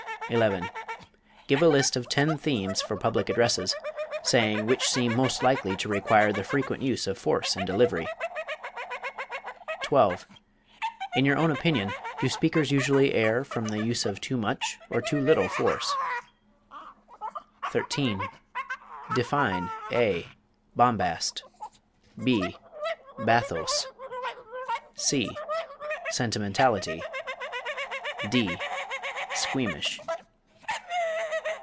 11. Give a list of ten themes for public addresses, saying which seem most likely to require the frequent use of force in delivery. 12. In your own opinion, do speakers usually err from the use of too much or too little force? 13. Define (a) bombast; (b) bathos; (c) sentimentality; (d) squeamish.